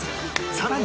さらに